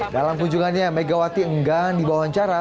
dalam kunjungannya megawati enggan di wawancara